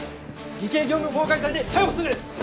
偽計業務妨害罪で逮捕する！